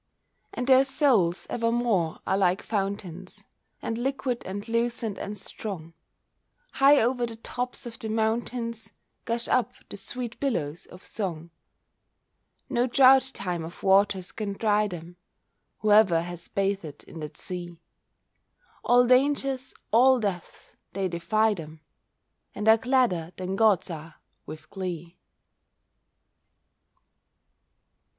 And their souls evermore are like fountains, And liquid and lucent and strong, High over the tops of the mountains Gush up the sweet billows of song. No drouth time of waters can dry them. Whoever has bathed in that sea, All dangers, all deaths, they defy them, And are gladder than gods are, with glee.